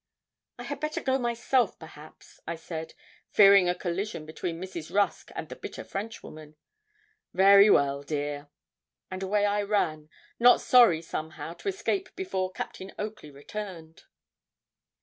'I had better go myself, perhaps,' I said, fearing a collision between Mrs. Rusk and the bitter Frenchwoman. 'Very well, dear.' And away I ran, not sorry somehow to escape before Captain Oakley returned.